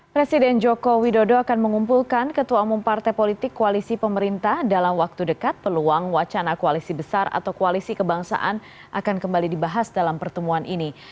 presiden joko widodo akan mengumpulkan ketua umum partai politik koalisi pemerintah dalam waktu dekat peluang wacana koalisi besar atau koalisi kebangsaan akan kembali dibahas dalam pertemuan ini